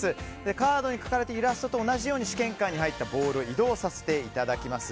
カードに描かれたイラストと同じようにボールを移動させていただきます。